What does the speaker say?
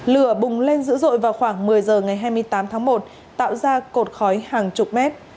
lửa bùng lên dữ dội vào khoảng một mươi giờ ngày hai mươi tám tháng một tạo ra cột khói hàng chục mét